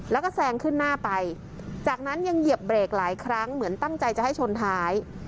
แล้วก็แซงขึ้นหน้าไปจากนั้นยังเหยียบเบรกหลายครั้งเหมือนตั้งใจจะให้ชนท้าย